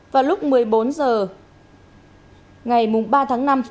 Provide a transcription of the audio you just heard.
vào lúc một mươi bốn h ngày ba tháng năm tài xế sinh năm một nghìn chín trăm hai mươi năm